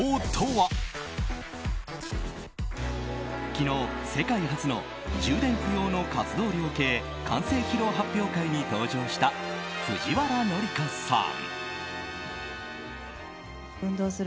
昨日、世界初の充電不要の活動量計完成披露発表会に登場した藤原紀香さん。